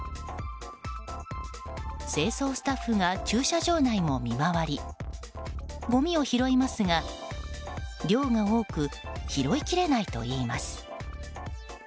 清掃スタッフが駐車場内も見回りごみを拾いますが量が多く拾いきれないといいます。